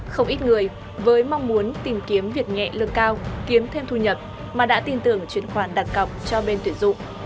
không ít người với mong muốn tìm kiếm việc nhẹ lương cao kiếm thêm thu nhập mà đã tin tưởng chuyển khoản đặt cọc cho bên tuyển dụng